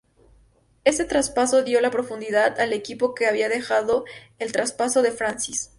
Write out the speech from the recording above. Este traspaso dio la profundidad al equipo que había dejado el traspaso de Francis.